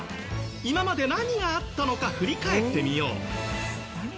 今まで何があったのか振り返ってみよう。